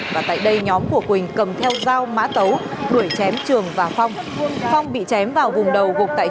và tại đây nhóm của quỳnh cầm theo dao mã tấu đuổi chém trường và phong